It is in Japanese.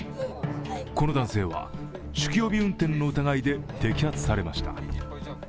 この男性は酒気帯び運転の疑いで摘発されました。